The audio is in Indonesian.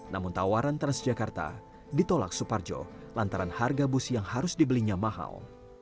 namun tawaran transjakarta ditolak suparjo lantaran harga bus yang harus dibelinya mahal